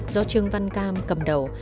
do trương văn cam cầm đầu